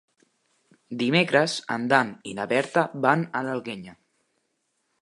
Dimecres en Dan i na Berta van a l'Alguenya.